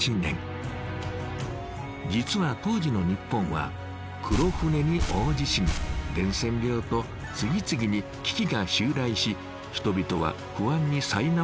実は当時の日本は黒船に大地震伝染病と次々に危機が襲来し人々は不安にさいなまれていたんだとか。